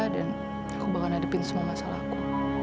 dan aku bakal hadapin semua masalahku